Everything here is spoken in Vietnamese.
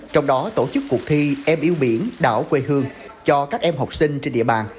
trong đó tổ chức cuộc thi em yêu biển đảo quê hương cho các em học sinh trên địa bàn